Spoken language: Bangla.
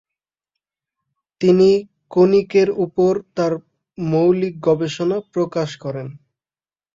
তিনি কনিকের উপর তার মৌলিক গবেষণা প্রকাশ করেন।